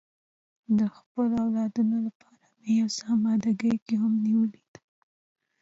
د خپلو اولادو لپاره مې یو څه اماده ګي هم نیولې ده.